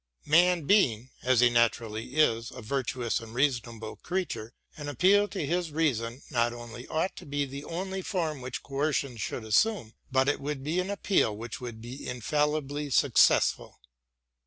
Man being, as he naturally is, a virtuous and reasonable creature, an appeal to his reason not only ought to be the only form which coercion should assume, but it would be an appeal which would be infallibly successful.